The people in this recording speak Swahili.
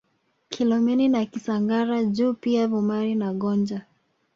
Kilomeni na Kisangara juu pia Vumari na Gonja